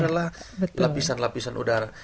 adalah lapisan lapisan udara